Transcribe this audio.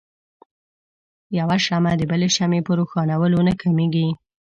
يوه شمعه د بلې شمعې په روښانؤلو نه کميږي.